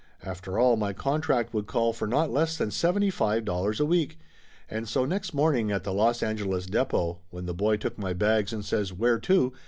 After all, my contract would call for not less than seventy five dollars a week ! And so next morning at the Los Angeles depot, when the boy took my bags and says "Where to?"